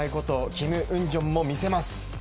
キム・ウンジョンも見せます。